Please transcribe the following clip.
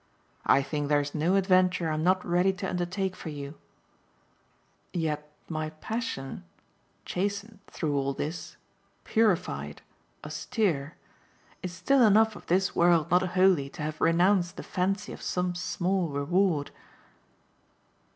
I think there's no adventure I'm not ready to undertake for you; yet my passion chastened, through all this, purified, austere is still enough of this world not wholly to have renounced the fancy of some small reward."